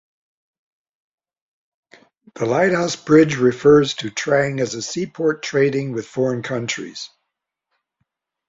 The lighthouse bridge refers to Trang as a seaport trading with foreign countries.